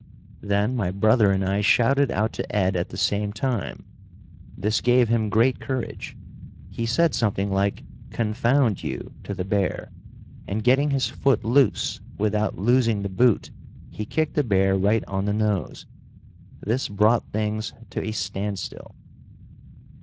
Then my brother and I shouted out to Ed at the same time. This gave him great courage. He said something like "Confound you!" to the bear, and getting his foot loose without losing the boot he kicked the bear right on the nose. This brought things to a standstill.